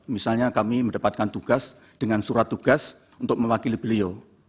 misalnya kami mendapatkan tugas dengan surat tugas untuk mewakili beliau